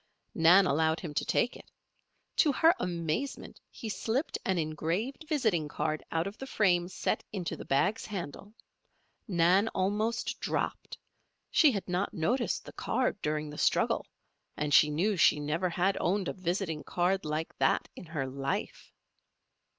Nan allowed him to take it. To her amazement he slipped an engraved visiting card out of the frame set into the bag's handle. Nan almost dropped. She had not noticed the card during the struggle and she knew she never had owned a visiting card like that in her life.